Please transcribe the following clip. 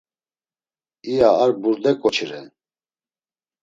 iya ar burde k̆oçi ren.